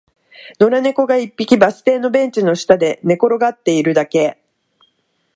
野良猫が一匹、バス停のベンチの下で寝転がっているだけ